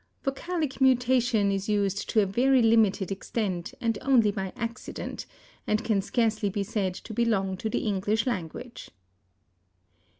Vocalic mutation is used to a very limited extent and only by accident, and can scarcely be said to belong to the English language.